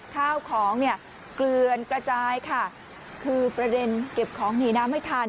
ข้าวของเนี่ยเกลือนกระจายค่ะคือประเด็นเก็บของหนีน้ำไม่ทัน